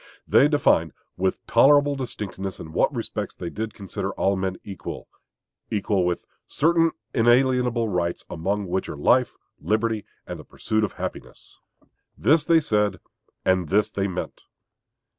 They defined with tolerable distinctness in what respects they did consider all men created equal equal with "certain inalienable rights, among which, are life, liberty, and the pursuit of happiness." This they said, and this they meant.